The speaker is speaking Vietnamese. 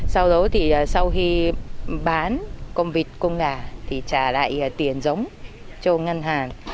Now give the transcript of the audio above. sau đó thì sau khi bán con vịt con gà thì trả lại tiền giống cho ngăn hàng